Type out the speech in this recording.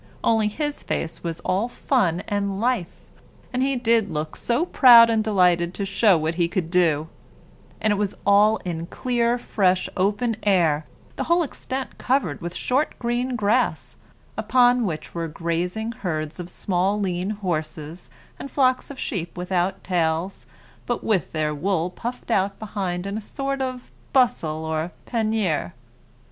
Only, his face was all fun and life, and he did look so proud and delighted to show what he could do; and it was all in clear, fresh, open air, the whole extent covered with short green grass, upon which were grazing herds of small lean horses, and flocks of sheep without tails, but with their wool puffed out behind into a sort of bustle or panier.